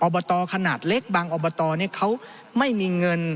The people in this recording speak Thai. บตขนาดเล็กบางอบตเขาไม่มีเงิน